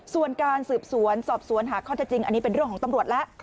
ส่วนการสืบสวนสอบสวนหาข้อเท็จจริงอันนี้เป็นเรื่องของตำรวจแล้ว